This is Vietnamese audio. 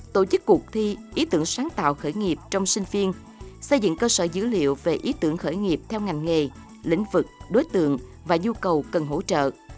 tổ chức cuộc thi ý tưởng sáng tạo khởi nghiệp trong sinh viên xây dựng cơ sở dữ liệu về ý tưởng khởi nghiệp theo ngành nghề lĩnh vực đối tượng và nhu cầu cần hỗ trợ